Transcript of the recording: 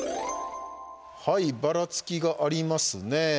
はいばらつきがありますね。